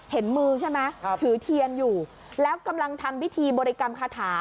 เห็นมือใช่ไหมถือเทียนอยู่แล้วกำลังทำพิธีบริกรรมคาถา